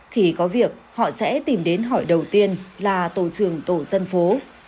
khi có việc họ sẽ tìm đến hỏi đầu tiên là tổ trưởng tổ dân phố